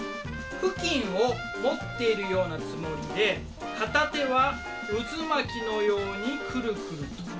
布巾を持っているようなつもりで片手は渦巻きのようにくるくると。